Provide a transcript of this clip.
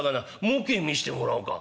もうけ見してもらおうか」。